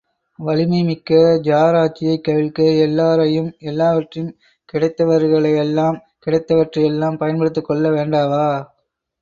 வலிமை மிக்க ஜாராட்சியைக் கவிழ்க்க, எல்லாரையும் எல்லாவற்றையும், கிடைத்தவர்களையெல்லாம், கிடைத்தவற்றையெல்லாம் பயன்படுத்திக்கொள்ள வேண்டாவா?